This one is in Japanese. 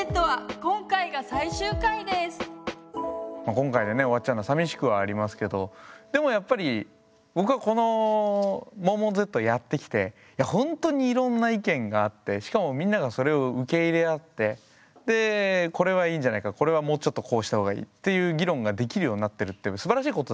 今回でね終わっちゃうのはさみしくはありますけどでもやっぱり僕はこの「モンモンＺ」やってきてほんとにいろんな意見があってしかもみんながそれを受け入れ合ってでこれはいいんじゃないかこれはもうちょっとこうしたほうがいいっていう議論ができるようになってるってすばらしいことだと思うんですよね。